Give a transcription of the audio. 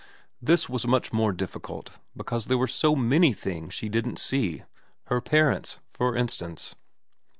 This was much more difficult, because there were so many things she didn't see ; her parents, for instance.